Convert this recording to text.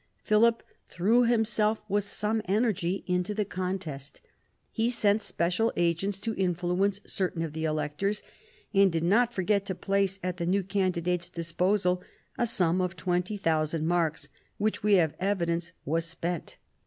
Philip threw himself with some energy into the contest. He sent special agents to influence certain of the electors, and did not forget to place at the new candidate's disposal a sum of 20,000 marks, which we have evidence was spent.